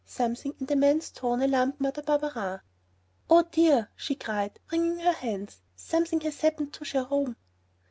Something in the man's tone alarmed Mother Barberin. "Oh, dear," she cried, wringing her hands, "something has happened to Jerome!"